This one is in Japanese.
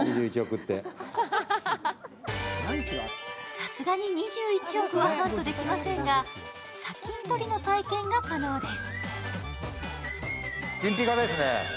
さすがに２１億はハントできませんが、砂金取りの体験が可能です。